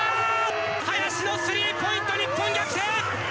林のスリーポイント、日本逆転！